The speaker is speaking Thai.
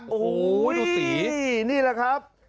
โอ้โหดูสีนี่แหละครับ